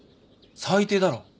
最低だろ。